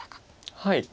はい。